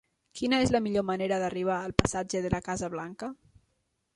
Quina és la millor manera d'arribar al passatge de la Casa Blanca?